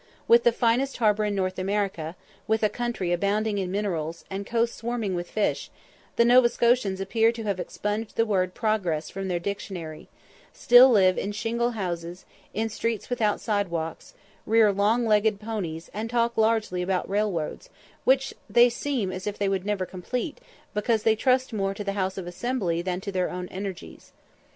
With the finest harbour in North America, with a country abounding in minerals, and coasts swarming with fish, the Nova Scotians appear to have expunged the word progress from their dictionary still live in shingle houses, in streets without side walks, rear long legged ponies, and talk largely about railroads, which they seem as if they would never complete, because they trust more to the House of Assembly than to their own energies.